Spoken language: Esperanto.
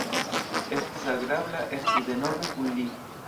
Estis agrabla esti denove kun li.